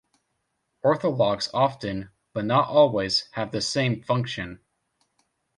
Orthologs often, but not always, have the same function.